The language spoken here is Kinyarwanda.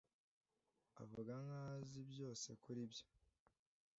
Avuga nkaho azi byose kuri byo.